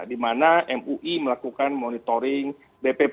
dimana mui melakukan monitoring bp pom juga